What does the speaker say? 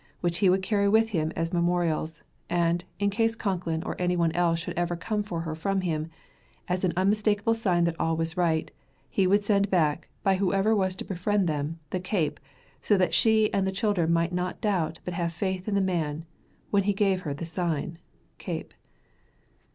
which he would carry with him as memorials, and, in case Concklin or any one else should ever come for her from him, as an unmistakable sign that all was right, he would send back, by whoever was to befriend them, the cape, so that she and the children might not doubt but have faith in the man, when he gave her the sign, (cape).